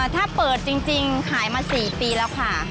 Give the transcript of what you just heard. ถ้าเปิดจริงขายมา๔ปีแล้วค่ะ